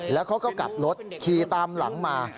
แล้วเขาก็กลับรถขี่ตามหลังมา